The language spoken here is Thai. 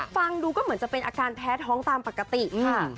ฟังดูก็เหมือนจะเป็นอาการแพ้ท้องตามปกติค่ะ